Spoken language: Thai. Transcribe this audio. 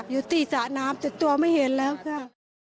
อยู่ที่สระน้ำแต่ตัวไม่เห็นแล้วค่ะ